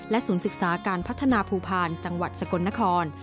ศูนย์ศึกษาการพัฒนาภูพาลจังหวัดสกลนคร